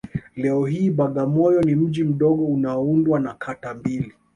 Leo hii Bagamoyo ni mji mdogo unaoundwa na kata mbili